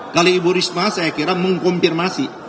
kalau ibu risma saya kira mengkonfirmasi